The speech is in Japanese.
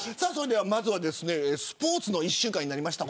まずはスポーツの一週間になりました。